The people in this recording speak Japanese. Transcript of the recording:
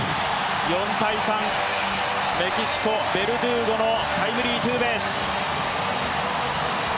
４−３、メキシコ、ベルドゥーゴのタイムリーツーベース。